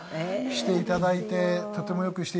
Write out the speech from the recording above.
していただいてとても良くしていただいて。